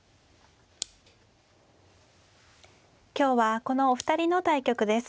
今日はこのお二人の対局です。